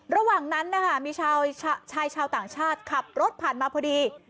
ระหว่างนั้นนะคะมีชายชาวต่างชาติขับรถผ่านมาพอดี